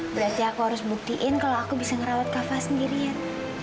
berarti aku harus buktiin kalau aku bisa ngerawat kava sendirian